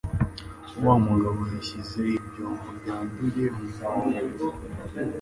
Wa mugabo yashyize ibyombo byanduye mu mwobo.